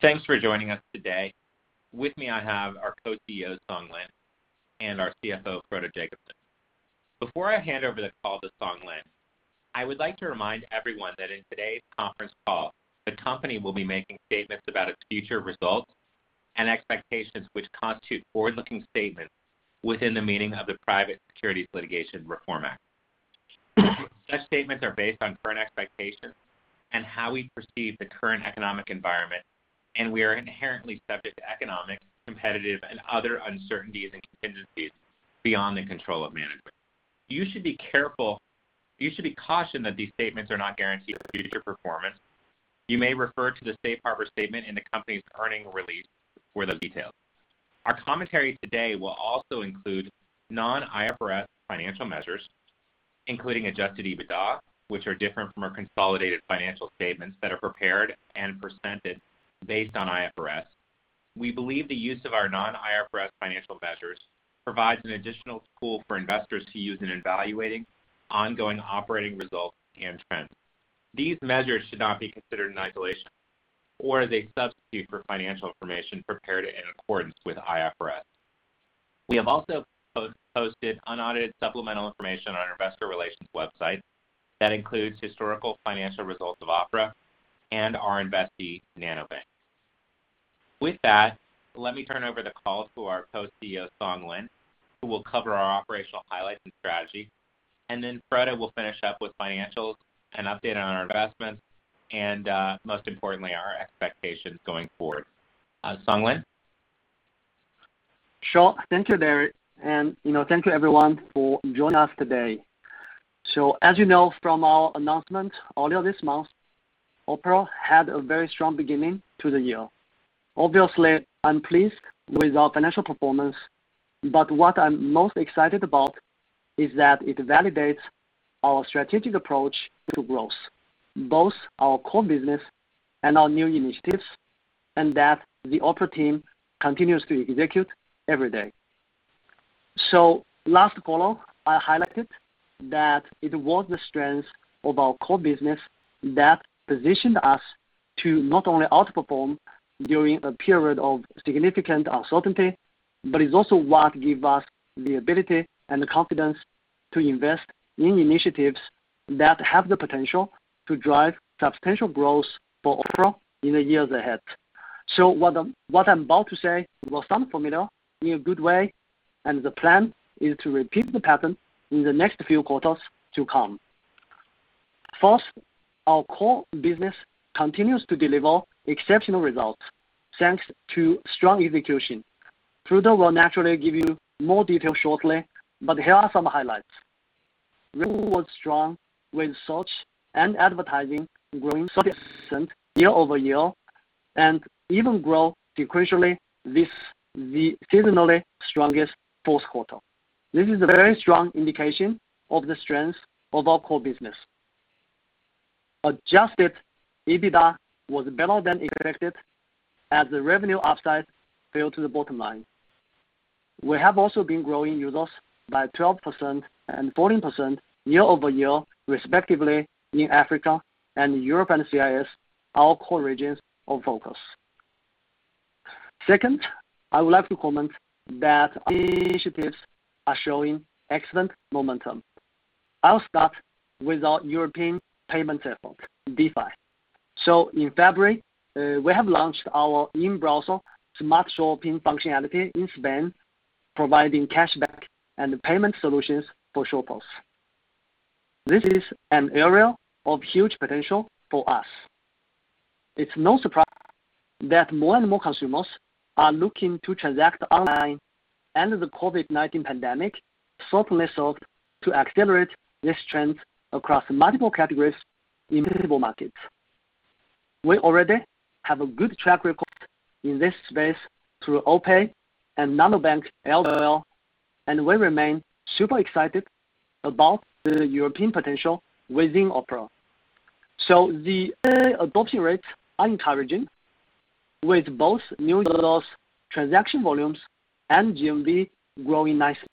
Thanks for joining us today. With me, I have our Co-CEO, Lin Song, and our CFO, Frode Jacobsen. Before I hand over the call to Lin Song, I would like to remind everyone that in today's conference call, the company will be making statements about its future results and expectations, which constitute forward-looking statements within the meaning of the Private Securities Litigation Reform Act. Such statements are based on current expectations and how we perceive the current economic environment, and we are inherently subject to economic, competitive, and other uncertainties and contingencies beyond the control of management. You should be cautioned that these statements are not guarantees of future performance. You may refer to the safe harbor statement in the company's earning release for those details. Our commentary today will also include non-IFRS financial measures, including adjusted EBITDA, which are different from our consolidated financial statements that are prepared and presented based on IFRS. We believe the use of our non-IFRS financial measures provides an additional tool for investors to use in evaluating ongoing operating results and trends. These measures should not be considered in isolation or as a substitute for financial information prepared in accordance with IFRS. We have also posted unaudited supplemental information on our investor relations website that includes historical financial results of Opera and our investee, Nanobank. With that, let me turn over the call to our Co-CEO, Lin Song, who will cover our operational highlights and strategy. Frode will finish up with financials and update on our investments and, most importantly, our expectations going forward. Lin Song? Sure. Thank you, Derek, and thank you, everyone, for joining us today. As you know from our announcement earlier this month, Opera had a very strong beginning to the year. Obviously, I'm pleased with our financial performance, but what I'm most excited about is that it validates our strategic approach to growth, both our core business and our new initiatives, and that the Opera team continues to execute every day. Last call, I highlighted that it was the strength of our core business that positioned us to not only outperform during a period of significant uncertainty, but it's also what gives us the ability and the confidence to invest in initiatives that have the potential to drive substantial growth for Opera in the years ahead. What I'm about to say will sound familiar in a good way, and the plan is to repeat the pattern in the next few quarters to come. First, our core business continues to deliver exceptional results, thanks to strong execution. Frode will naturally give you more detail shortly, but here are some highlights. Revenue was strong with search and advertising growing 30% year-over-year, and even grew sequentially, the seasonally strongest fourth quarter. This is a very strong indication of the strength of our core business. Adjusted EBITDA was better than expected as the revenue upside fell to the bottom line. We have also been growing users by 12% and 14% year-over-year, respectively, in Africa and Europe and CIS, our core regions of focus. Second, I would like to comment that our initiatives are showing excellent momentum. I'll start with our European payment effort, Dify. In February, we have launched our in-browser smart shopping functionality in Spain, providing cashback and payment solutions for shoppers. This is an area of huge potential for us. It's no surprise that more and more consumers are looking to transact online, and the COVID-19 pandemic certainly served to accelerate this trend across multiple categories in multiple markets. We already have a good track record in this space through OPay and Nanobank, LLC, and we remain super excited about the European potential within Opera. The early adoption rates are encouraging, with both new users, transaction volumes, and GMV growing nicely.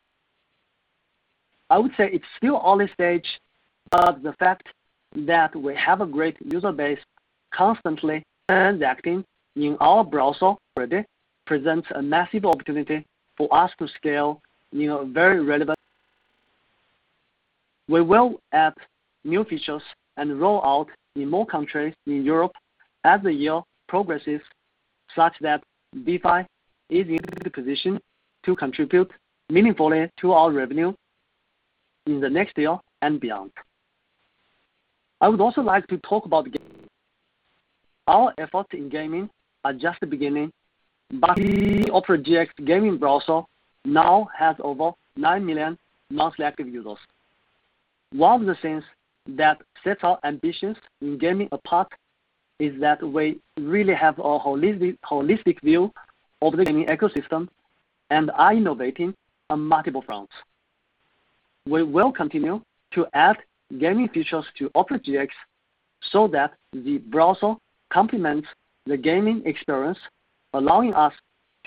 I would say it's still early stage, the fact that we have a great user base constantly transacting in our browser already presents a massive opportunity for us to scale very relevant. We will add new features and roll out in more countries in Europe as the year progresses, such that Dify is in a good position to contribute meaningfully to our revenue in the next year and beyond. I would also like to talk about gaming. Our efforts in gaming are just beginning; the Opera GX gaming browser now has over nine million monthly active users. One of the things that sets our ambitions in gaming apart is that we really have a holistic view of the gaming ecosystem and are innovating on multiple fronts. We will continue to add gaming features to Opera GX so that the browser complements the gaming experience, allowing us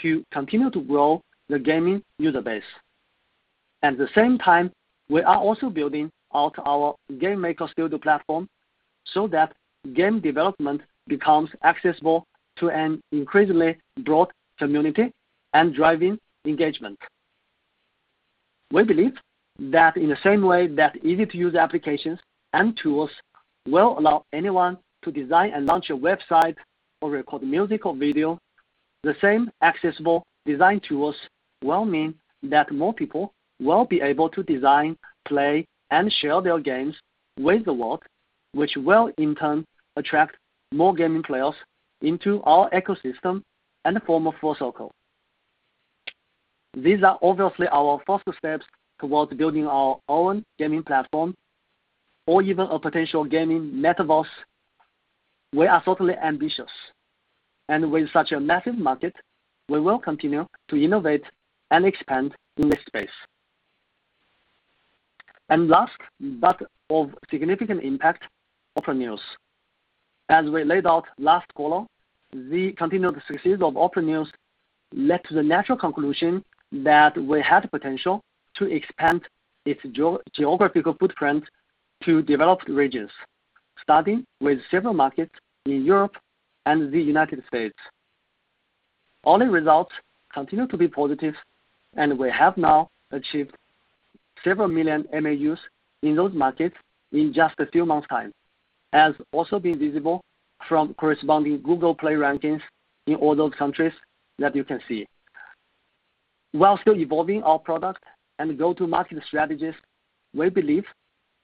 to continue to grow the gaming user base. At the same time, we are also building out our GameMaker Studio platform so that game development becomes accessible to an increasingly broad community and driving engagement. We believe that in the same way that easy-to-use applications and tools will allow anyone to design and launch a website or record music or video, the same accessible design tools will mean that more people will be able to design, play, and share their games with the world, which will in turn attract more gaming players into our ecosystem and form a full circle. These are obviously our first steps towards building our own gaming platform or even a potential gaming metaverse. We are totally ambitious. With such a massive market, we will continue to innovate and expand in this space. Last, but of significant impact, Opera News. As we laid out last quarter, the continued success of Opera News led to the natural conclusion that we had the potential to expand its geographical footprint to developed regions, starting with several markets in Europe and the U.S. Early results continue to be positive, and we have now achieved several million MAUs in those markets in just a few months' time, as also been visible from corresponding Google Play rankings in all those countries that you can see. While still evolving our product and go-to-market strategies, we believe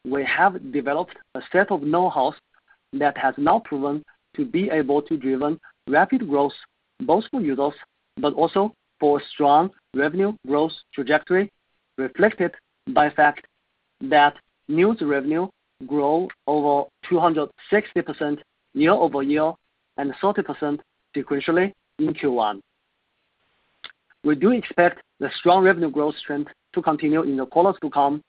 we have developed a set of knowhows that has now proven to be able to driven rapid growth, both for users, but also for strong revenue growth trajectory, reflected by the fact that news revenue grew over 260% year-over-year and 30% sequentially in Q1. We do expect the strong revenue growth trend to continue in the quarters to come,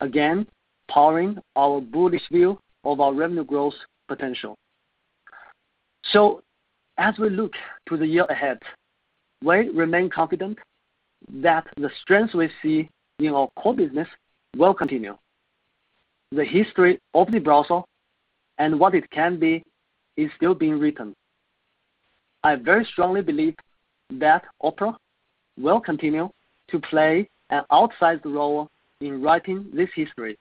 again, powering our bullish view of our revenue growth potential. As we look to the year ahead, we remain confident that the strength we see in our core business will continue. The history of the browser and what it can be is still being written. I very strongly believe that Opera will continue to play an outsized role in writing this history.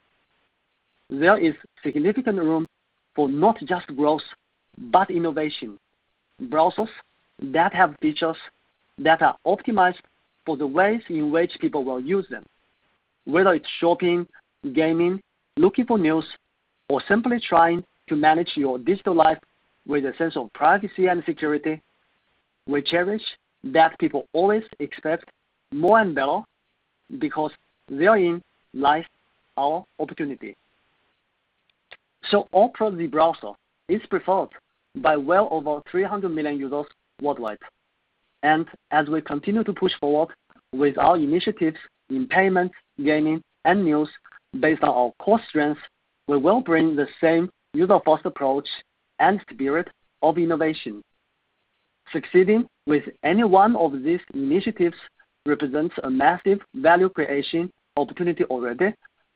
There is significant room for not just growth, but innovation. Browsers that have features that are optimized for the ways in which people will use them, whether it's shopping, gaming, looking for news, or simply trying to manage your digital life with a sense of privacy and security, we cherish that people always expect more and better because therein lies our opportunity. Opera, the browser, is preferred by well over 300 million users worldwide. As we continue to push forward with our initiatives in payments, gaming, and news based on our core strengths, we will bring the same user-first approach and spirit of innovation. Succeeding with any one of these initiatives represents a massive value creation opportunity already,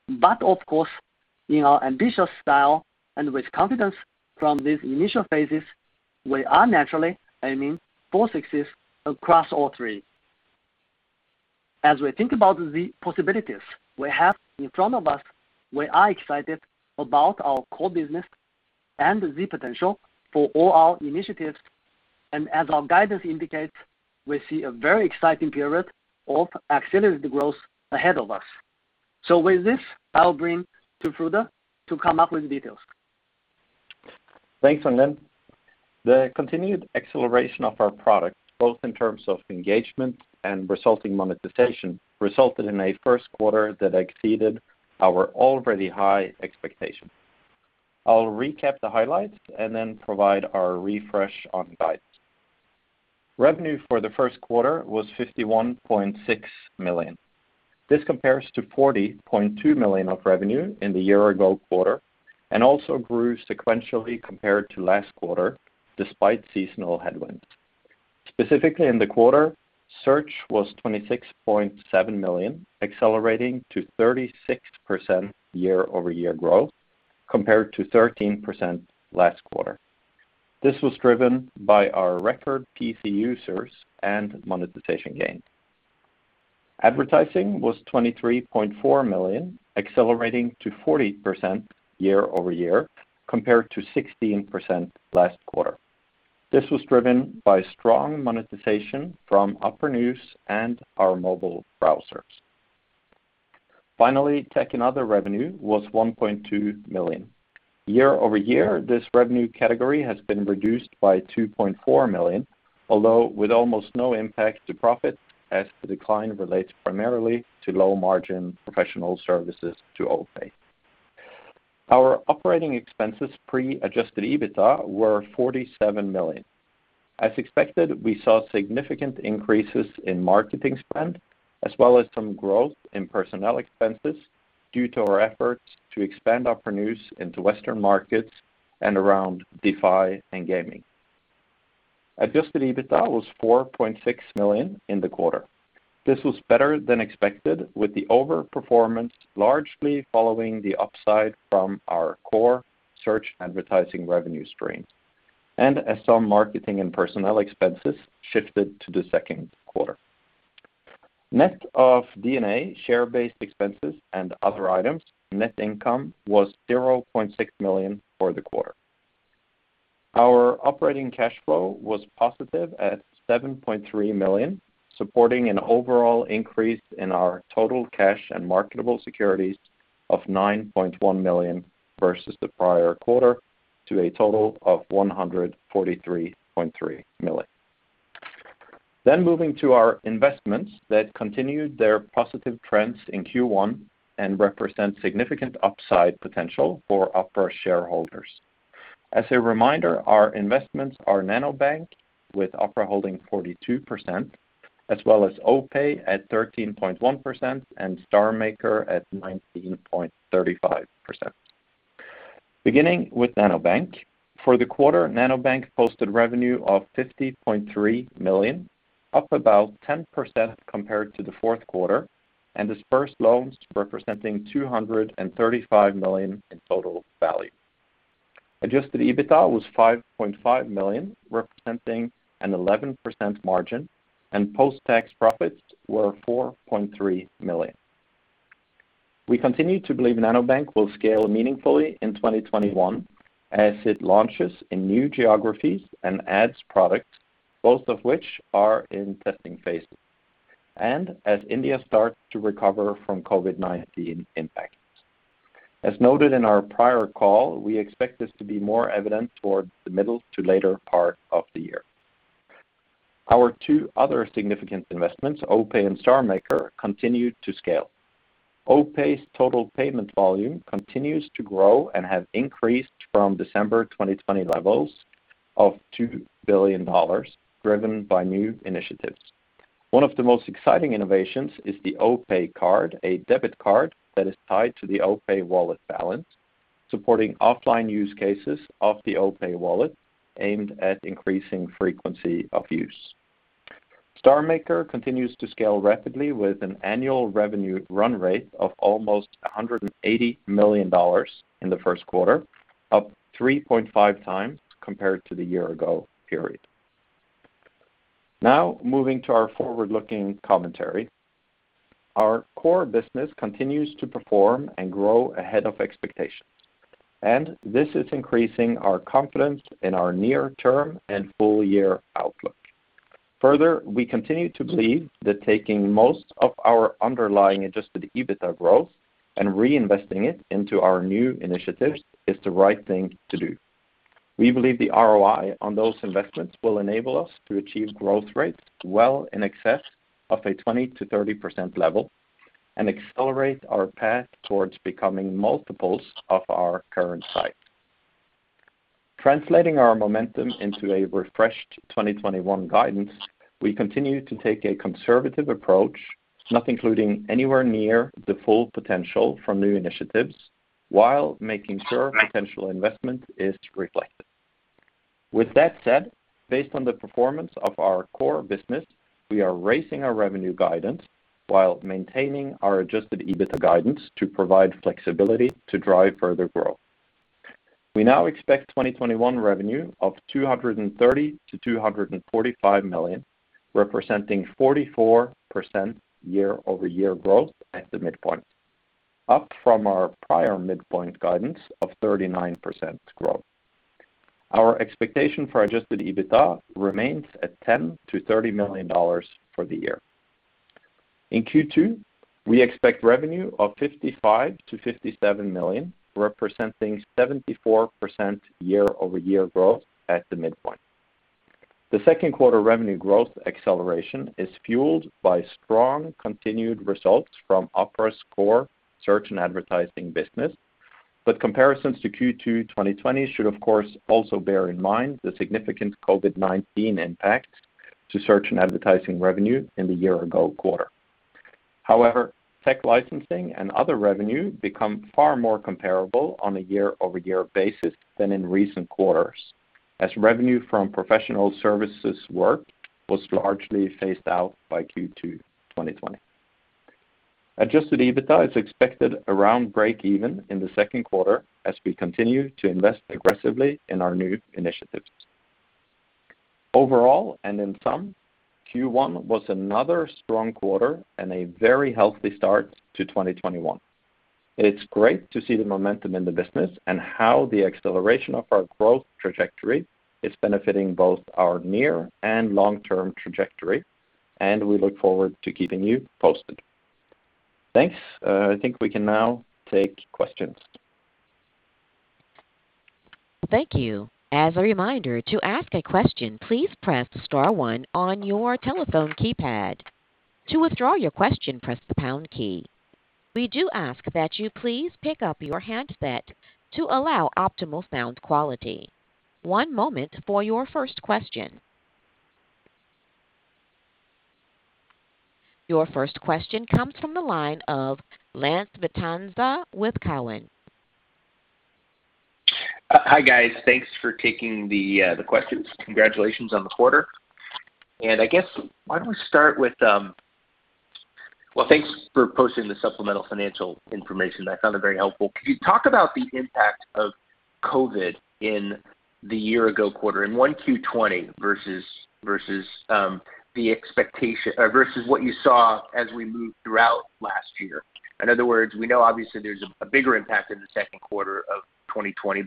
but of course, in our ambitious style and with confidence from these initial phases, we are naturally aiming for success across all three. As we think about the possibilities we have in front of us, we are excited about our core business and the potential for all our initiatives. As our guidance indicates, we see a very exciting period of accelerated growth ahead of us. With this, I'll bring to Frode to come up with details. Thanks, Lin Song. The continued acceleration of our product, both in terms of engagement and resulting monetization, resulted in a first quarter that exceeded our already high expectations. I'll recap the highlights and then provide our refresh on guidance. Revenue for the first quarter was $51.6 million. This compares to $40.2 million of revenue in the year-ago quarter and also grew sequentially compared to last quarter, despite seasonal headwinds. Specifically in the quarter, search was $26.7 million, accelerating to 36% year-over-year growth compared to 13% last quarter. This was driven by our record PC users and monetization gain. Advertising was $23.4 million, accelerating to 40% year-over-year, compared to 16% last quarter. This was driven by strong monetization from Opera News and our mobile browsers. Finally, tech and other revenue was $1.2 million. Year-over-year, this revenue category has been reduced by $2.4 million, although with almost no impact to profit, as the decline relates primarily to low-margin professional services to Opera. Our operating expenses, pre-adjusted EBITDA, were $47 million. As expected, we saw significant increases in marketing spend, as well as some growth in personnel expenses due to our efforts to expand Opera News into Western markets and around Dify and gaming. Adjusted EBITDA was $4.6 million in the quarter. This was better than expected, with the overperformance largely following the upside from our core search advertising revenue streams and as some marketing and personnel expenses shifted to the second quarter. Net of D&A share-based expenses and other items, net income was $0.6 million for the quarter. Our operating cash flow was positive at $7.3 million, supporting an overall increase in our total cash and marketable securities of $9.1 million versus the prior quarter to a total of $143.3 million. Moving to our investments that continued their positive trends in Q1 and represent significant upside potential for Opera shareholders. As a reminder, our investments are Nanobank, with Opera holding 42%, as well as OPay at 13.1% and StarMaker at 19.35%. Beginning with Nanobank, for the quarter, Nanobank posted revenue of $50.3 million, up about 10% compared to the fourth quarter, and disbursed loans representing $235 million in total value. Adjusted EBITDA was $5.5 million, representing an 11% margin, and post-tax profits were $4.3 million. We continue to believe Nanobank will scale meaningfully in 2021 as it launches in new geographies and adds products, both of which are in testing phases, and as India starts to recover from COVID-19 impacts. As noted in our prior call, we expect this to be more evident towards the middle to later part of the year. Our two other significant investments, OPay and StarMaker, continued to scale. OPay's total payment volume continues to grow and has increased from December 2020 levels of $2 billion, driven by new initiatives. One of the most exciting innovations is the OPay Card, a debit card that is tied to the OPay wallet balance, supporting offline use cases of the OPay wallet, aimed at increasing frequency of use. StarMaker continues to scale rapidly with an annual revenue run rate of almost $180 million in the first quarter, up 3.5 times compared to the year-ago period. Now moving to our forward-looking commentary. Our core business continues to perform and grow ahead of expectations; this is increasing our confidence in our near-term and full-year outlook. Further, we continue to believe that taking most of our underlying adjusted EBITDA growth and reinvesting it into our new initiatives is the right thing to do. We believe the ROI on those investments will enable us to achieve growth rates well in excess of a 20%-30% level and accelerate our path towards becoming multiples of our current size. Translating our momentum into a refreshed 2021 guidance, we continue to take a conservative approach, not including anywhere near the full potential from new initiatives while making sure potential investment is reflected. With that said, based on the performance of our core business, we are raising our revenue guidance while maintaining our adjusted EBITDA guidance to provide flexibility to drive further growth. We now expect 2021 revenue of $230 million-$245 million, representing 44% year-over-year growth at the midpoint, up from our prior midpoint guidance of 39% growth. Our expectation for adjusted EBITDA remains at $10 million-$30 million for the year. In Q2, we expect revenue of $55 million-$57 million, representing 74% year-over-year growth at the midpoint. The second quarter revenue growth acceleration is fueled by strong continued results from Opera's core search and advertising business. Comparisons to Q2 2020 should, of course, also bear in mind the significant COVID-19 impact to search and advertising revenue in the year-ago quarter. Tech licensing and other revenue become far more comparable on a year-over-year basis than in recent quarters, as revenue from professional services work was largely phased out by Q2 2020. Adjusted EBITDA is expected around breakeven in the second quarter as we continue to invest aggressively in our new initiatives. Overall, and in sum, Q1 was another strong quarter and a very healthy start to 2021. It's great to see the momentum in the business and how the acceleration of our growth trajectory is benefiting both our near- and long-term trajectory, and we look forward to keeping you posted. Thanks. I think we can now take questions. Thank you. As a reminder, to ask a question, please press star one on your telephone keypad. To withdraw your question, press the pound key. We do ask that you please pick up your handset to allow optimal sound quality. One moment for your first question. Your first question comes from the line of Lance Vitanza with Cowen. Hi, guys. Thanks for taking the questions. Congratulations on the quarter. I guess, why don't we start with Well, thanks for posting the supplemental financial information. I found it very helpful. Could you talk about the impact of COVID in the year ago quarter, in 1Q 2020, versus what you saw as we moved throughout last year? In other words, we know obviously there's a bigger impact in the second quarter of 2020,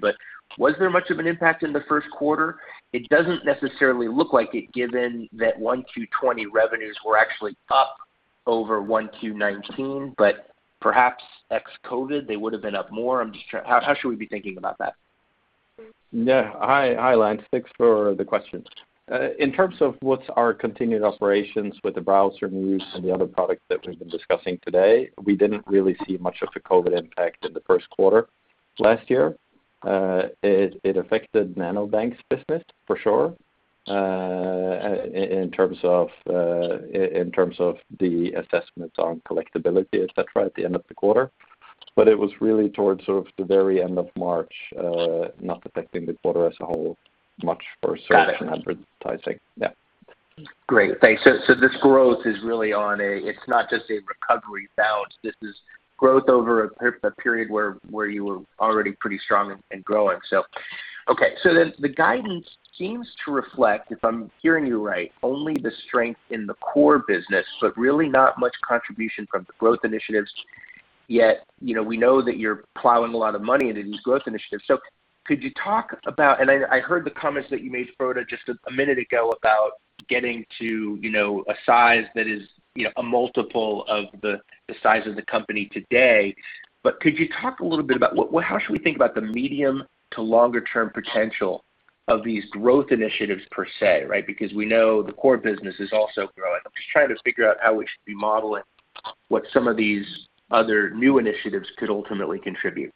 was there much of an impact in the first quarter? It doesn't necessarily look like it, given that 1Q 2020 revenues were actually up over 1Q 2019, perhaps ex-COVID, they would've been up more. I'm just trying. How should we be thinking about that? Hi, Lance. Thanks for the question. In terms of what's our continued operations with the Opera News and the other products that we've been discussing today, we didn't really see much of the COVID-19 impact in the first quarter last year. It affected Nanobank's business, for sure, in terms of the assessments on collectibility, et cetera, at the end of the quarter. It was really towards sort of the very end of March, not affecting the quarter as a whole much. Got it. Search and advertising. Yeah. Great. Thanks. This growth is really not just a recovery bounce; this is growth over a period where you were already pretty strong and growing. Okay. The guidance seems to reflect, if I'm hearing you right, only the strength in the core business, but really not much contribution from the growth initiatives yet. We know that you're plowing a lot of money into these growth initiatives. Could you talk about, and I heard the comments that you made, Frode, just a minute ago, about getting to a size that is a multiple of the size of the company today? Could you talk a little bit about how should we think about the medium- to longer-term potential of these growth initiatives per se, right? We know the core business is also growing. I'm just trying to figure out how we should be modeling what some of these other new initiatives could ultimately contribute.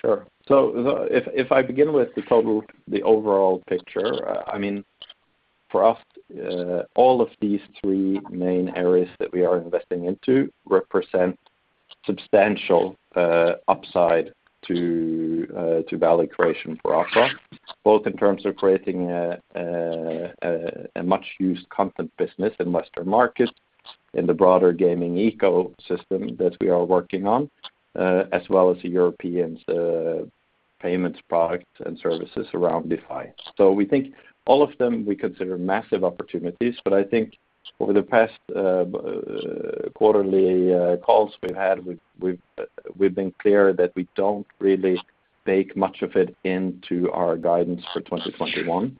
Sure. If I begin with the total, the overall picture, I mean, for us, all of these three main areas that we are investing into represent substantial upside to value creation for Opera, both in terms of creating a much-used content business in Western market, in the broader gaming ecosystem that we are working on, as well as the European payments product and services around Dify. We think all of them, we consider massive opportunities, but I think over the past quarterly calls we've had, we've been clear that we don't really bake much of it into our guidance for 2021.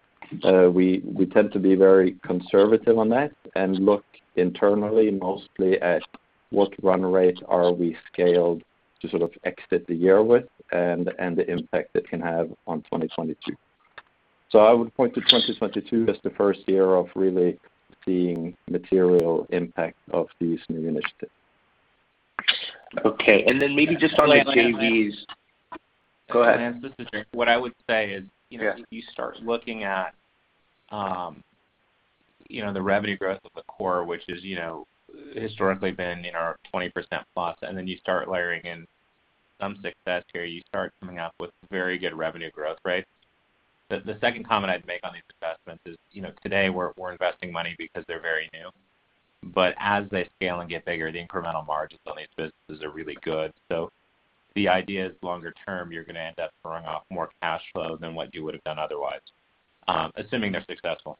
We tend to be very conservative on that and look internally mostly at what run rates are we scaled to sort of exit the year with and the impact it can have on 2022. I would point to 2022 as the first year of really seeing material impact of these new initiatives. Okay. Then maybe just on the JVs. Can I add, Lance? Go ahead. Lance, this is Derek. If you start looking at the revenue growth of the core, which is historically been in our 20% plus, and then you start layering in some success here, you start coming up with very good revenue growth rates. The second comment I'd make on these investments is today, we're investing money because they're very new, but as they scale and get bigger, the incremental margins on these businesses are really good. The idea is longer-term; you're going to end up throwing off more cash flow than what you would've done otherwise, assuming they're successful.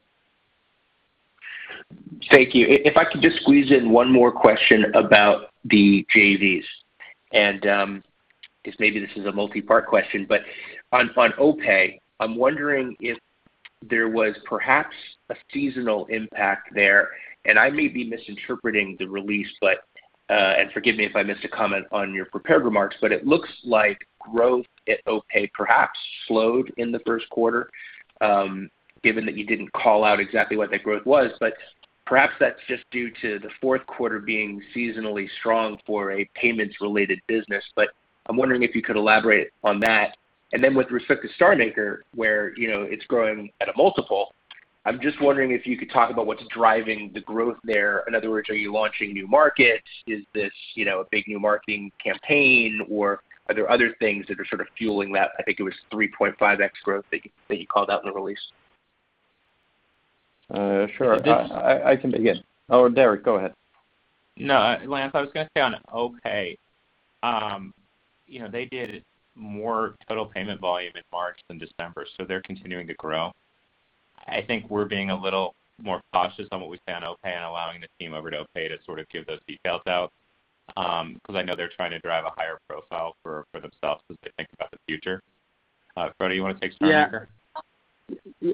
Thank you. If I could just squeeze in one more question about the JVs, and I guess maybe this is a multi-part question, but on OPay, I'm wondering if there was perhaps a seasonal impact there, and I may be misinterpreting the release, but—and forgive me if I missed a comment on your prepared remarks, but it looks like growth at OPay perhaps slowed in the first quarter, given that you didn't call out exactly what that growth was. Perhaps that's just due to the fourth quarter being seasonally strong for a payments-related business, but I'm wondering if you could elaborate on that. Then with respect to StarMaker, where it's growing at a multiple, I'm just wondering if you could talk about what's driving the growth there. In other words, are you launching new markets? Is this a big new marketing campaign, or are there other things that are sort of fueling that, I think it was 3.5x growth that you called out in the release. Sure. I can begin. Oh, Derek, go ahead. No, Lance, I was going to say on OPay, they did more total payment volume in March than December. They're continuing to grow. I think we're being a little more cautious on what we say on OPay and allowing the team over to OPay to sort of give those details out, because I know they're trying to drive a higher profile for themselves as they think about the future. Frode, you want to take StarMaker?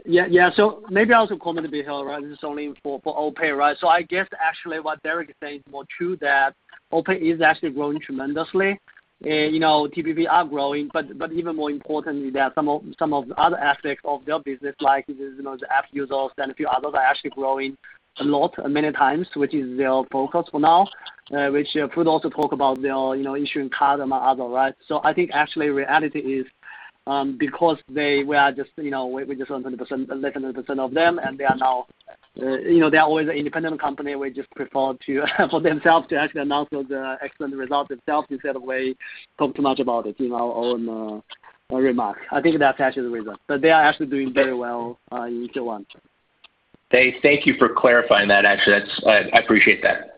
Yeah. Maybe I'll also comment a bit here around this, only for OPay, right? I guess actually what Derek is saying is more true, that OPay is actually growing tremendously. TPV are growing, but even more importantly, there are some of other aspects of their business, like the app users and a few others are actually growing a lot, many times, which is their focus for now, which could also talk about their issuing card among other, right? I think actually reality is. Because we just own 13.1% of them, and they are always an independent company. We just prefer for themselves to actually announce the excellent results themselves instead of we talk too much about it in our own remarks. I think that's actually the reason. They are actually doing very well in Q1. Thank you for clarifying that, actually. I appreciate that.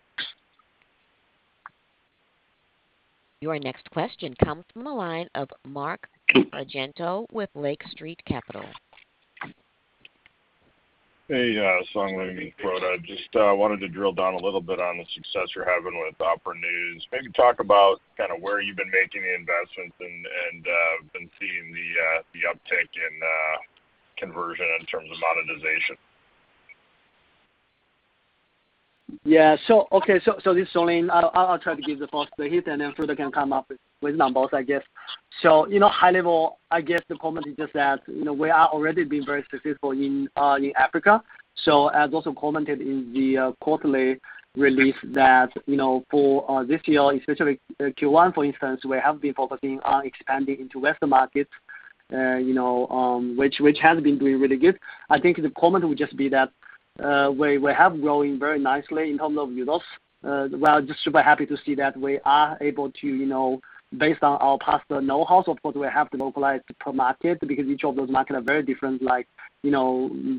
Your next question comes from the line of Mark Argento with Lake Street Capital. Hey, Song, and Frode. Just wanted to drill down a little bit on the success you're having with Opera News. Maybe talk about where you've been making the investments and been seeing the uptick in conversion in terms of monetization. Okay. This is Lin Song. I'll try to give the first hit, then Frode can come up with numbers, I guess. High level, I guess the comment is just that we are already being very successful in Africa. As also commented in the quarterly release that for this year, especially Q1, for instance, we have been focusing on expanding into Western markets, which has been doing really good. I think the comment would just be that we have growing very nicely in terms of users. We are just super happy to see that we are able to, based on our past know-how, of course; we have to localize per market because each of those markets are very different.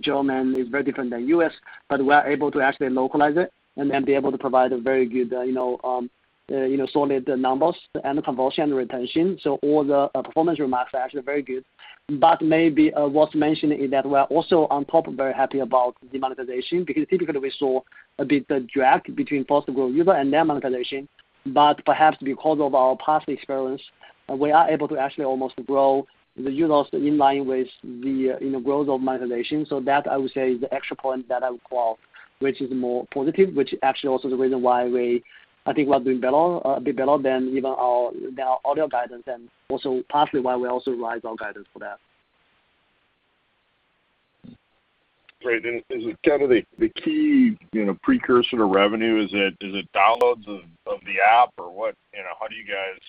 Germany is very different than U.S., but we are able to actually localize it and be able to provide very good solid numbers and conversion retention. All the performance remarks are actually very good. Maybe what's mentioned is that we're also on top, very happy about the monetization, because typically we saw a bit of drag between possible users and their monetization. Perhaps because of our past experience, we are able to actually almost grow the users in line with the growth of monetization. That, I would say, is the extra point that I would call, which is more positive, which actually also the reason why we, I think we're doing a bit better than even our earlier guidance and also partially why we also raise our guidance for that. Great. Is it the key precursor to revenue? Is it downloads of the app or what? How do you guys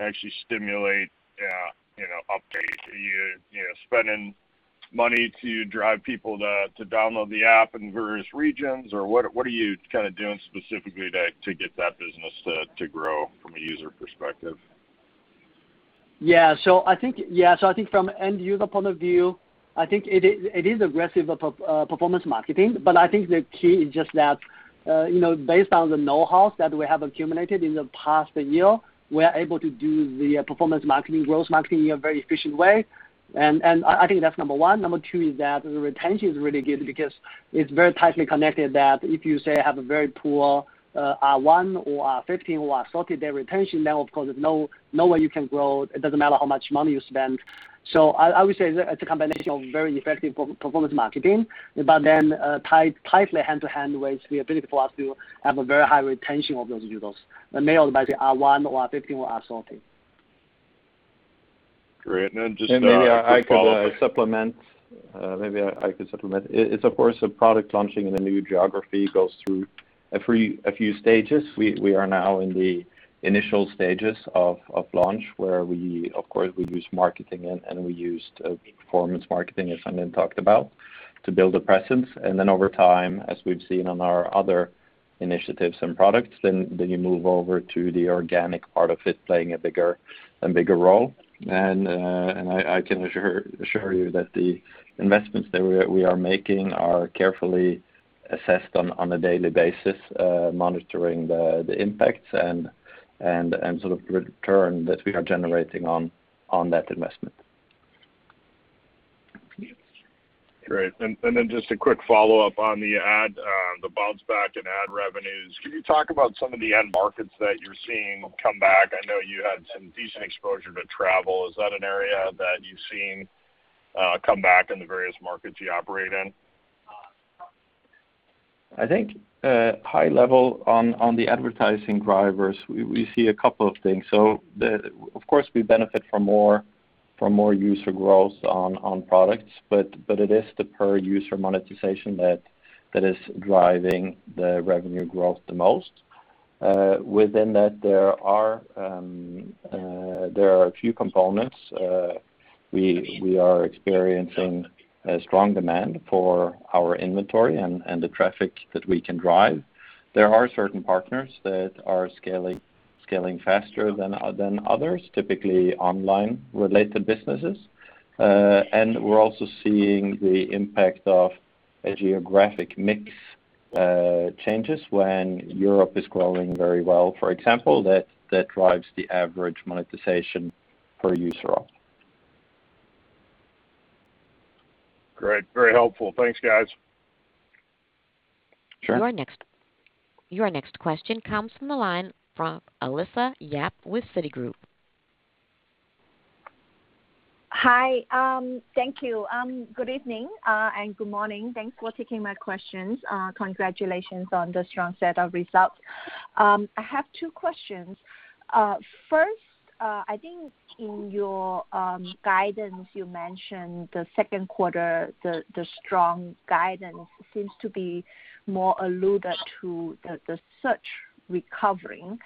actually stimulate updates? Are you spending money to drive people to download the app in various regions? Or what are you doing specifically to get that business to grow from a user perspective? I think from end-user point of view, I think it is aggressive performance marketing. I think the key is just that based on the know-how that we have accumulated in the past year, we are able to do the performance marketing and growth marketing in a very efficient way. I think that's number one. Number two is that the retention is really good because it's very tightly connected that if you, say, have a very poor D1 or D15 or D30 day retention, of course, there's no way you can grow. It doesn't matter how much money you spend. I would say it's a combination of very effective performance marketing, tightly hand-to-hand with the ability for us to have a very high retention of those users, mainly by the D1 or D15 or D30. Great. Then just a quick follow-up. Maybe I could supplement. It's, of course, a product launching in a new geography goes through a few stages. We are now in the initial stages of launch where, of course, we use marketing and we used performance marketing, as Lin Song talked about, to build a presence. Then over time, as we've seen on our other initiatives and products, then you move over to the organic part of it playing a bigger role. I can assure you that the investments that we are making are carefully assessed on a daily basis, monitoring the impacts and sort of return that we are generating on that investment. Great. Just a quick follow-up on the bounce-back in ad revenues. Could you talk about some of the end markets that you're seeing come back? I know you had some decent exposure to travel. Is that an area that you've seen come back in the various markets you operate in? I think high level on the advertising drivers, we see a couple of things. Of course, we benefit from more user growth on products, but it is the per user monetization that is driving the revenue growth the most. Within that, there are a few components. We are experiencing a strong demand for our inventory and the traffic that we can drive. There are certain partners that are scaling faster than others, typically online-related businesses. We're also seeing the impact of a geographic mix changes when Europe is growing very well, for example; that drives the average monetization per user up. Great. Very helpful. Thanks, guys. Sure. Your next question comes from the line from Alicia Yap with Citigroup. Hi. Thank you. Good evening and good morning. Thanks for taking my questions. Congratulations on the strong set of results. I have two questions. First, I think in your guidance, you mentioned the second quarter, the strong guidance seems to be more alluded to the search recovering.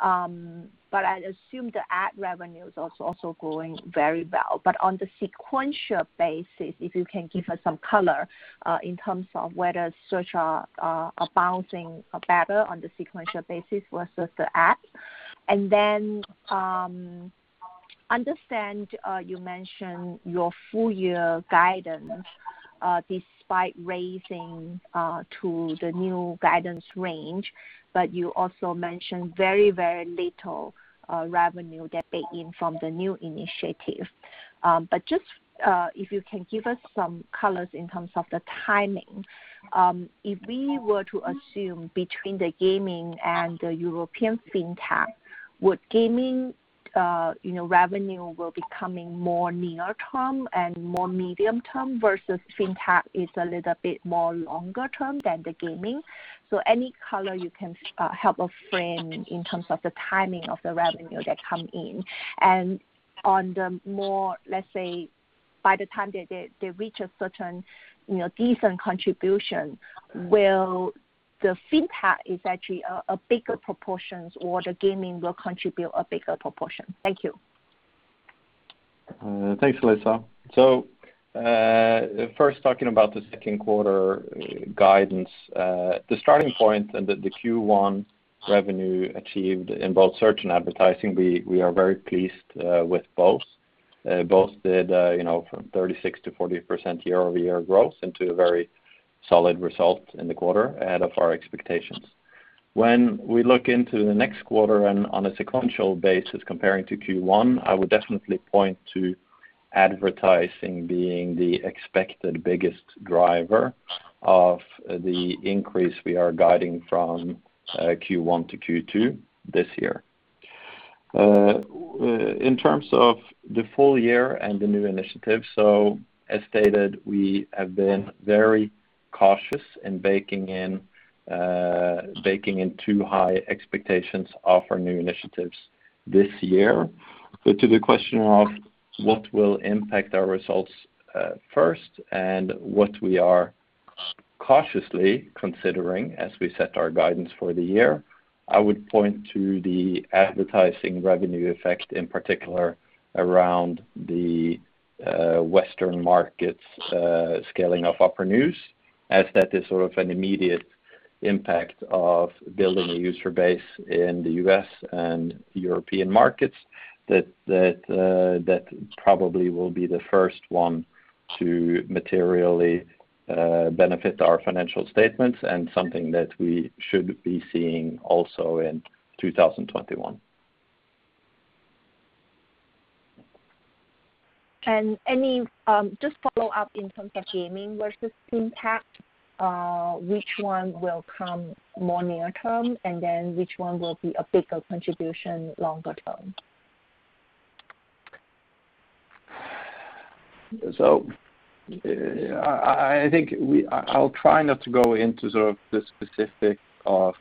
I assume the ad revenue is also growing very well. On the sequential basis, if you can give us some color in terms of whether search are bouncing better on the sequential basis versus the ad. Understand you mentioned your full-year guidance, despite raising to the new guidance range, you also mentioned very, very little revenue that bake in from the new initiative. Just if you can give us some color in terms of the timing. If we were to assume between the gaming and the European fintech, would gaming revenue will be coming more near term and more medium term versus fintech is a little bit more longer term than the gaming? Any color, you can help us frame in terms of the timing of the revenue that comes in. On the more, let's say, by the time they reach a certain decent contribution, will the fintech is actually a bigger proportion, or the gaming will contribute a bigger proportion? Thank you. Thanks, Alicia. First talking about the second quarter guidance. The starting point and the Q1 revenue achieved in both search and advertising, we are very pleased with both. Both did from 36%-40% year-over-year growth into a very solid result in the quarter ahead of our expectations. When we look into the next quarter and on a sequential basis comparing to Q1, I would definitely point to advertising being the expected biggest driver of the increase we are guiding from Q1 to Q2 this year. In terms of the full year and the new initiative, as stated, we have been very cautious in baking in too high expectations of our new initiatives this year. To the question of what will impact our results first and what we are cautiously considering as we set our guidance for the year, I would point to the advertising revenue effect, in particular, around the Western markets' scaling of Opera News, as that is sort of an immediate impact of building a user base in the U.S. and European markets that probably will be the first one to materially benefit our financial statements and something that we should be seeing also in 2021. Just follow up in terms of gaming versus fintech, which one will come more near term, and then which one will be a bigger contribution longer term? I think I'll try not to go into sort of the specific of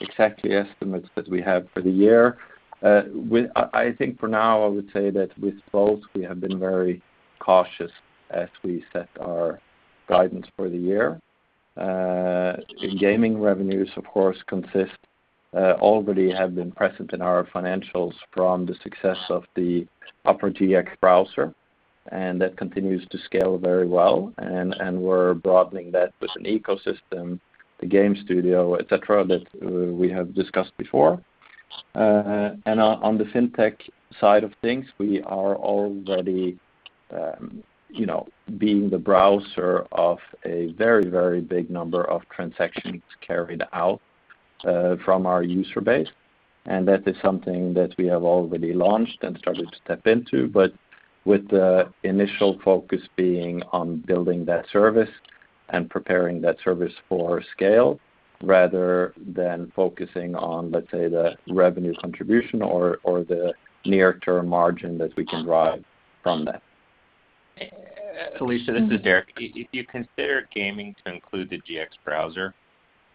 exactly estimates that we have for the year. I think for now, I would say that with both, we have been very cautious as we set our guidance for the year. In gaming revenues, of course, consist already have been present in our financials from the success of the Opera GX browser, and that continues to scale very well, and we're broadening that with an ecosystem, the game studio, et cetera, that we have discussed before. On the fintech side of things, we are already being the browser of a very, very big number of transactions carried out from our user base, and that is something that we have already launched and started to step into. With the initial focus being on building that service and preparing that service for scale, rather than focusing on, let's say, the revenue contribution or the near-term margin that we can drive from that. Alicia, this is Derek. If you consider gaming to include the GX browser,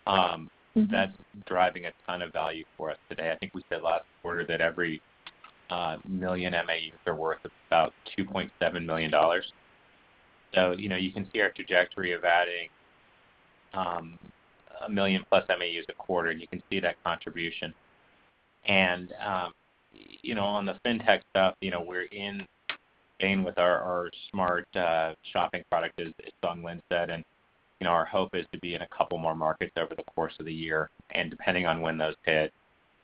that's driving a ton of value for us today. I think we said last quarter that every 1 million MAUs are worth about $2.7 million. You can see our trajectory of adding 1 million plus MAUs a quarter, and you can see that contribution. On the fintech stuff, we're in Spain with our smart shopping product, as Song Lin said, and our hope is to be in a couple more markets over the course of the year, and depending on when those hit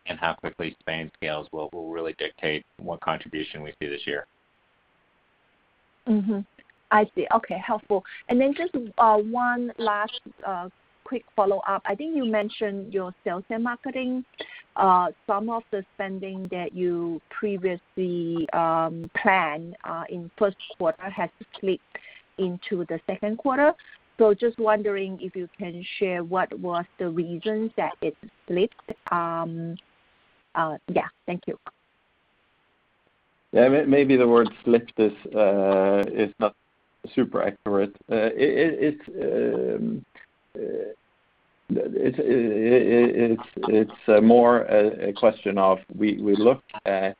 and how quickly Spain scales will really dictate what contribution we see this year. I see. Okay, helpful. Just one last quick follow-up. I think you mentioned your sales and marketing. Some of the spending that you previously planned in first quarter has slipped into the second quarter. Just wondering if you can share what was the reasons that it slipped. Thank you. Yes. Maybe the word "slipped" is not super accurate. It's more a question of we look at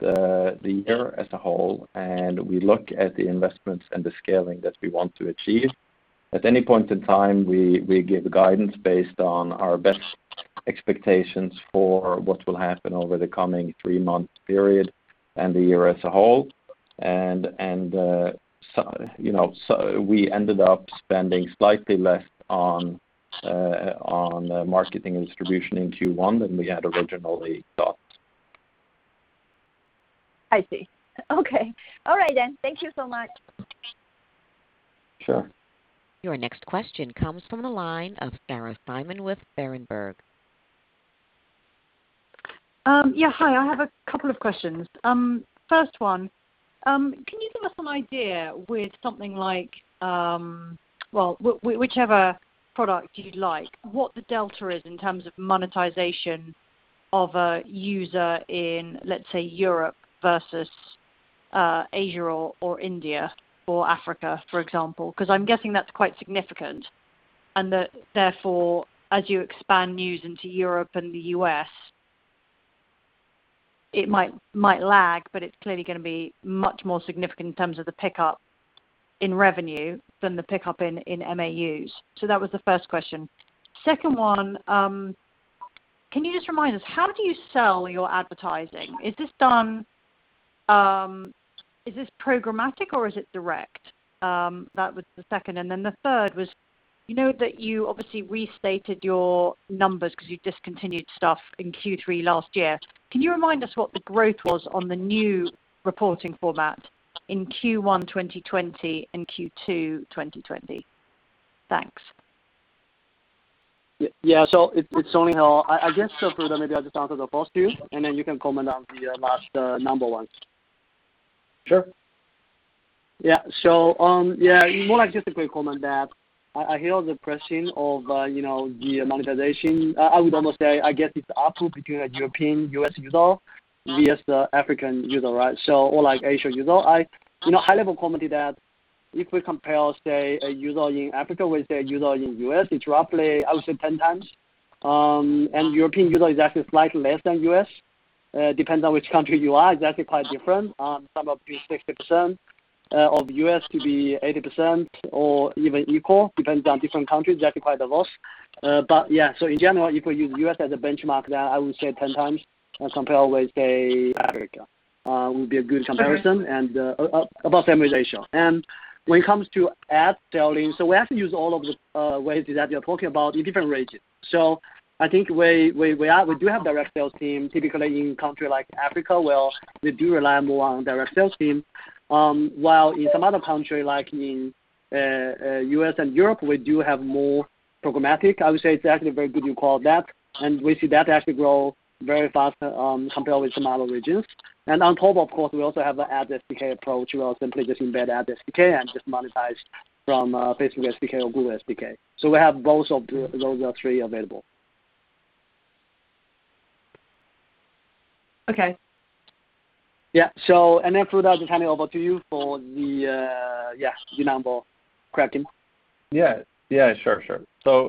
the year as a whole and we look at the investments and the scaling that we want to achieve. At any point in time, we give guidance based on our best expectations for what will happen over the coming three-month period and the year as a whole. We ended up spending slightly less on marketing and distribution in Q1 than we had originally thought. I see. Okay. All right then. Thank you so much. Sure. Your next question comes from the line of Sarah Simon with Berenberg. Yes, hi. I have a couple of questions. First one, can you give us an idea with something like, whichever product you'd like, what the delta is in terms of monetization of a user in, let's say, Europe versus Asia or India or Africa, for example? I'm guessing that's quite significant and that therefore, as you expand news into Europe and the U.S., it might lag, but it's clearly going to be much more significant in terms of the pickup in revenue than the pickup in MAUs. That was the first question. Second one, can you just remind us, how do you sell your advertising? Is this programmatic or is it direct? That was the second. The third was, you know that you obviously restated your numbers because you discontinued stuff in Q3 last year. Can you remind us what the growth was on the new reporting format in Q1 2020 and Q2 2020? Thanks. Yes. It's only now. I guess, Frode, maybe I just answer the first two, and then you can comment on the last number ones. Sure. Yes, more like just a quick comment that I hear on the question of the monetization. I would almost say I guess it's up to between a European U.S. user versus the African user, right, or like Asia user. A high-level comment is that if we compare, say, a user in Africa with the user in U.S., it's roughly, I would say, ten times and European user is actually slightly less than U.S., depends on which country you are. It's actually quite different. Some of it is 60% of U.S. to be 80% or even equal, depends on different countries; actually, quite a lot. Yeah, so in general, if we use U.S. as a benchmark, then I would say ten times compared with, say, Africa would be a good comparison and above-average ratio. When it comes to ad selling, so we have to use all of the ways that you're talking about in different regions. I think where we are, we do have direct sales team. Typically in country like Africa, where we do rely more on direct sales team, while in some other country, like in U.S. and Europe, we do have more programmatic. I would say it's actually very good you call that, and we see that actually grow very fast compared with some other regions. On top of course, we also have the ad SDK approach. We will simply just embed ad SDK and just monetize from Facebook SDK or Google SDK. We have both of those three available. Okay. Yeah. Frode, I'll just hand it over to you for the number correcting. Yes. Sure.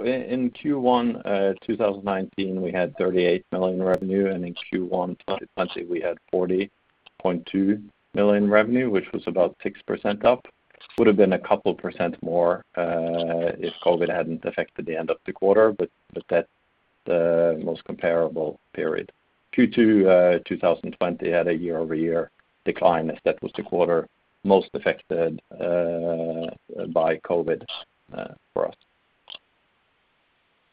In Q1 2019, we had $38 million revenue, and in Q1 2020, we had $40.2 million revenue, which was about 6% up. Would've been a couple percent more if COVID hadn't affected the end of the quarter, but that's the most comparable period. Q2 2020 had a year-over-year decline, as that was the quarter most affected by COVID for us.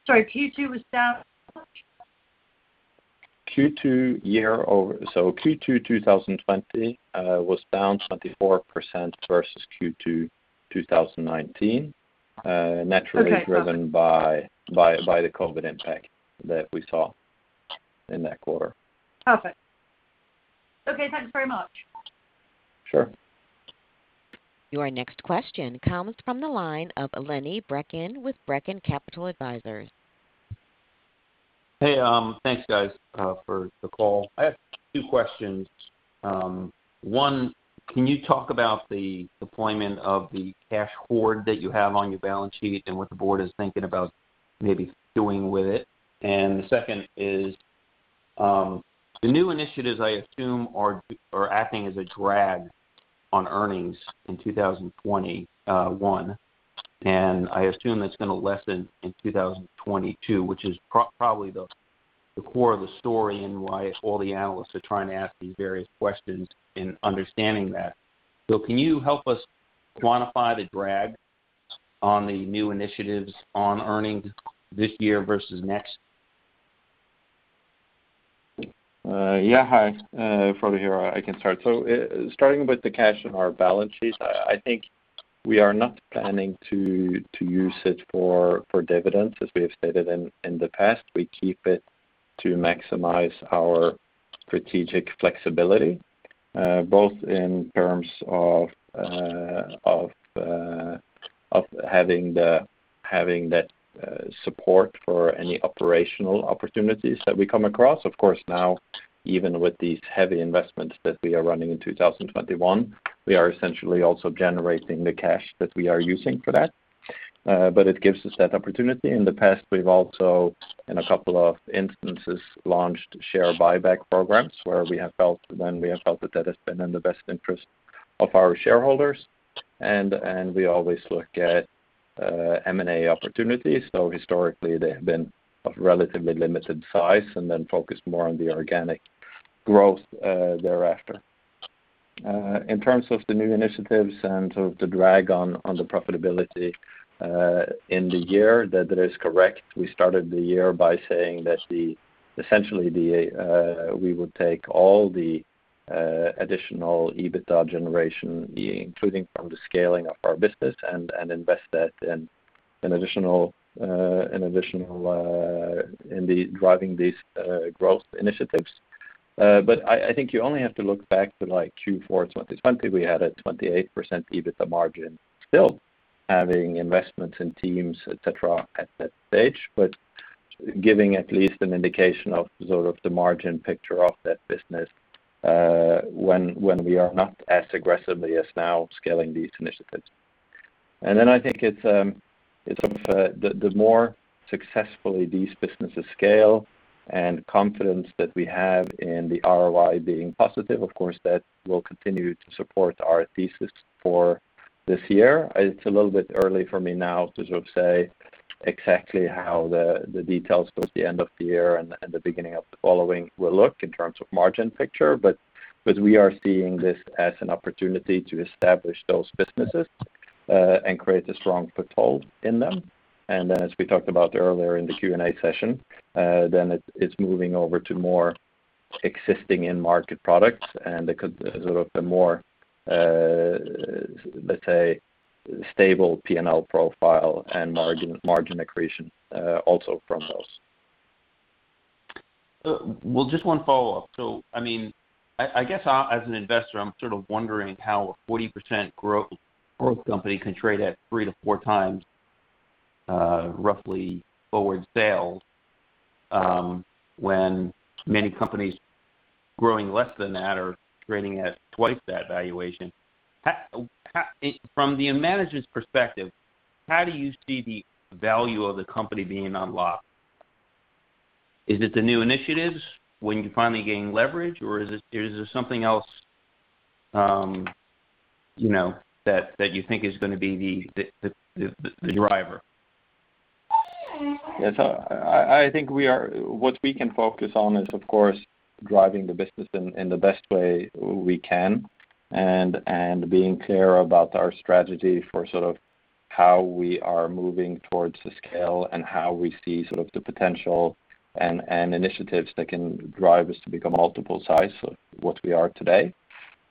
Sorry, Q2 was down how much? Q2 2020 was down 24% versus Q2 2019, naturally. Okay, got it. Driven by the COVID impact that we saw in that quarter. Perfect. Okay, thanks very much. Sure. Your next question comes from the line of Lenny Brecken with Brecken Capital Advisors. Thanks guys for the call. I have two questions. One, can you talk about the deployment of the cash hoard that you have on your balance sheet and what the board is thinking about maybe doing with it? The second is the new initiatives, I assume, are acting as a drag on earnings in 2021, and I assume that's going to lessen in 2022, which is probably the core of the story and why all the analysts are trying to ask these various questions in understanding that. Can you help us quantify the drag on the new initiatives on earnings this year versus next? Yes, hi. Frode here. I can start. Starting with the cash on our balance sheet, I think we are not planning to use it for dividends, as we have stated in the past. We keep it to maximize our strategic flexibility, both in terms of having that support for any operational opportunities that we come across. Of course, now, even with these heavy investments that we are running in 2021, we are essentially also generating the cash that we are using for that. It gives us that opportunity. In the past, we've also, in a couple of instances, launched share buyback programs when we have felt that that has been in the best interest of our shareholders. We always look at M&A opportunities, though historically they have been of relatively limited size and then focus more on the organic growth thereafter. In terms of the new initiatives and sort of the drag on the profitability in the year, that is correct. We started the year by saying that essentially we would take all the additional EBITDA generation, including from the scaling of our business, and invest that in driving these growth initiatives. I think you only have to look back to Q4 2020; we had a 28% EBITDA margin, still having investments in teams, etc, at that stage, giving at least an indication of sort of the margin picture of that business when we are not as aggressively as now scaling these initiatives. I think it's the more successfully these businesses scale and confidence that we have in the ROI being positive, of course, that will continue to support our thesis for this year. It's a little bit early for me now to sort of say exactly how the details towards the end of the year and the beginning of the following will look in terms of margin picture. We are seeing this as an opportunity to establish those businesses and create a strong foothold in them. As we talked about earlier in the Q&A session, then it's moving over to more existing in-market products, and it could sort of a more, let's say, stable P&L profile and margin accretion also from those. Well, just one follow-up. I guess as an investor, I'm sort of wondering how a 40% growth company can trade at three to four times roughly forward sales when many companies growing less than that are trading at twice that valuation. From the management's perspective, how do you see the value of the company being unlocked? Is it the new initiatives when you finally gain leverage, or is there something else that you think is going to be the driver? Yes. I think what we can focus on is, of course, driving the business in the best way we can and being clear about our strategy for sort of how we are moving towards the scale and how we see sort of the potential and initiatives that can drive us to become multiple sizes of what we are today,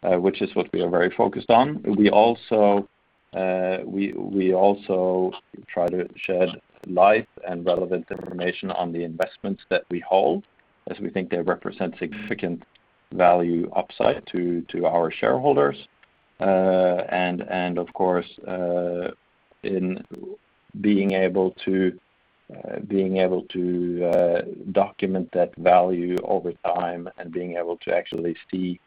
which is what we are very focused on. We also try to shed light and relevant information on the investments that we hold, as we think they represent significant value upside to our shareholders. Of course, in being able to document that value over time and being able to actually see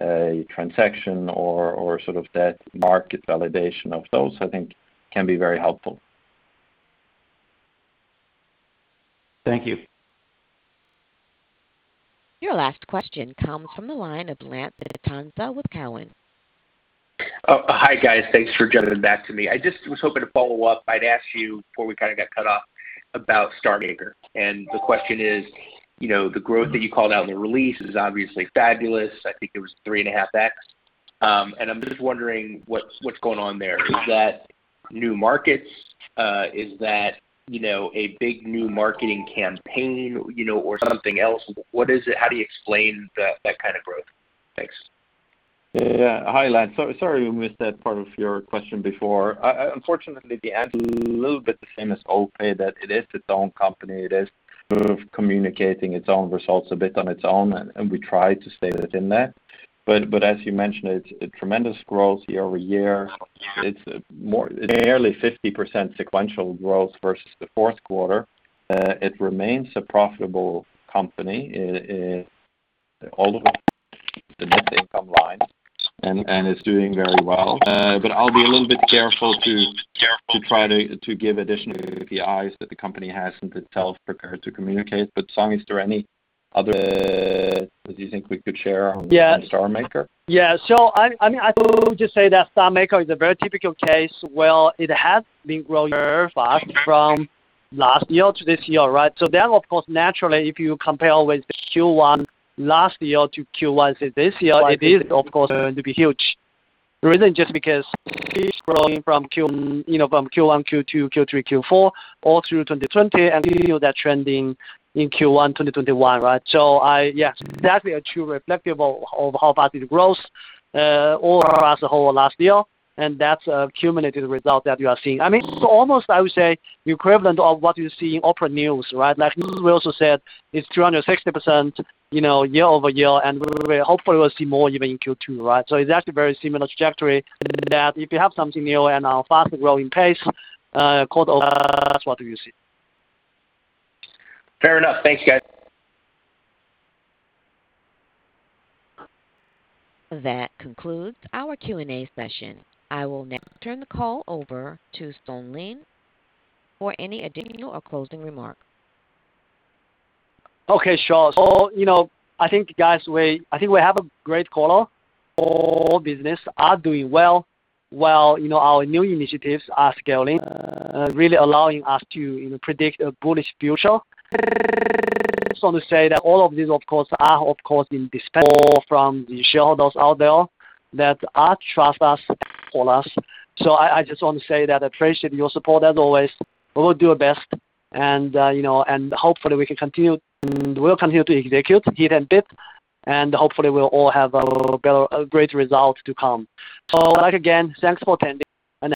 a transaction or sort of that market validation of those, I think, can be very helpful. Thank you. Your last question comes from the line of Lance Vitanza with Cowen. Oh, hi, guys. Thanks for jumping back to me. I just was hoping to follow up. I'd asked you before we kind of got cut off about StarMaker. The question is, the growth that you called out in the release is obviously fabulous. I think it was 3.5x. I'm just wondering what's going on there. Is that new markets? Is that a big new marketing campaign or something else? What is it? How do you explain that kind of growth? Thanks. Hi, Lance. Sorry we missed that part of your question before. Unfortunately, the answer is a little bit the same as Opera, that it is its own company. It is sort of communicating its own results a bit on its own, and we try to stay within that. As you mentioned, it's a tremendous growth year-over-year. It's nearly 50% sequential growth versus the fourth quarter. It remains a profitable company in all of the net income lines and is doing very well. I'll be a little bit careful to try to give additional KPIs that the company hasn't itself prepared to communicate. Song, is there any other color that you think we could share on StarMaker? I think we could just say that StarMaker is a very typical case where it has been growing very fast from last year to this year, right? Of course, naturally, if you compare with the Q1 last year to Q1 this year, it is of course going to be huge. The reason just because it's growing from Q1, Q2, Q3, Q4 all through 2020, and we view that trending in Q1 2021, right? Yes, that will truly reflective of how fast it grows all across the whole of last year, and that's a cumulative result that you are seeing. It's almost, I would say, equivalent of what you see in Opera News, right? Like News, we also said it's 260% year-over-year, and hopefully we'll see more even in Q2, right? It's actually a very similar trajectory that if you have something new and a faster growing pace, quarter-over-quarter, that's what you see. Fair enough. Thank you, guys. That concludes our Q&A session. I will now turn the call over to Lin Song for any additional or closing remarks. Okay, sure. I think, guys, I think we have a great call. All businesses are doing well, while our new initiatives are scaling, really allowing us to predict a bullish future. I just want to say that all of these, of course, are indispensable from the shareholders out there that trust us for us. I just want to say that I appreciate your support as always. We will do our best, and hopefully we can continue, and we'll continue to execute heat and beat, and hopefully we'll all have a great result to come. Again, thanks for attending and have a great-